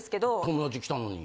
友達来たのに。